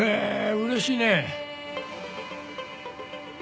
うれしいね。